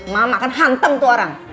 mama akan hantem tuh orang